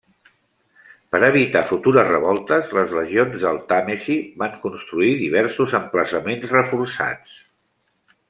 Per evitar futures revoltes, les legions del Tàmesi van construir diversos emplaçaments reforçats.